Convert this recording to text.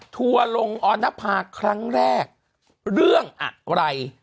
ทัวร์ลงออนภาครั้งแรกเรื่องอะไร